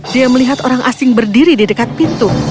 dia melihat orang asing berdiri di dekat pintu